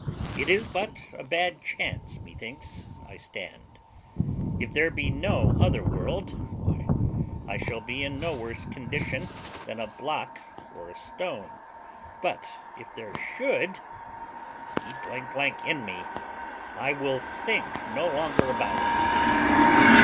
It is but a bad chance, methinks, I stand. If there be no other world, why I shall be in no worse condition than a block or a stone: but if there should d n me I will think no longer about it.